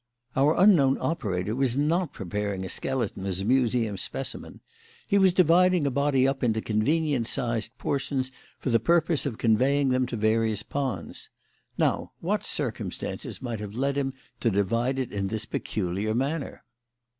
Our unknown operator was not preparing a skeleton as a museum specimen; he was dividing a body up into convenient sized portions for the purpose of conveying them to various ponds. Now what circumstances might have led him to divide it in this peculiar manner?"